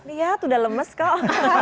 iya sudah lemes kok